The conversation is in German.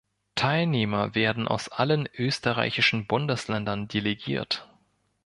Teilnehmer werden aus allen österreichischen Bundesländern delegiert.